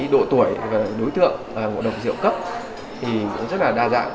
độ tuổi và đối tượng ngộ độc rượu cấp rất đa dạng